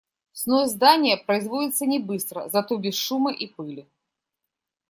Снос здания производится не быстро, зато без шума и пыли.